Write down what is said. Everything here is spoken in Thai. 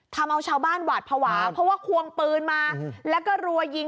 ทำเอาชาวบ้านหวาดภาวะเพราะว่าควงปืนมาแล้วก็รัวยิง